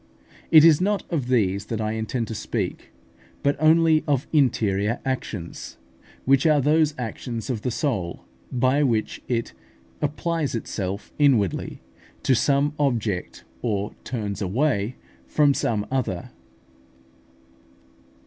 It is not of these that I intend to speak, but only of interior actions, which are those actions of the soul by which it applies itself inwardly to some object, or turns away from some other.